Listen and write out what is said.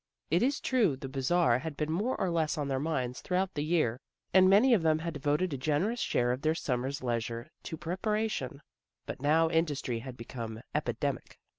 It is true the Bazar had been more or less on their minds through out the year, and many of them had devoted a generous share of their summer's leisure to preparation, but now industry had become epi demic.